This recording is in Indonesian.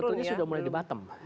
sebetulnya sudah mulai di bottom